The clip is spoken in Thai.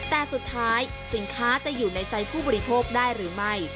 แต่สุดท้ายสินค้าจะอยู่ในใจผู้บริโภคได้หรือไม่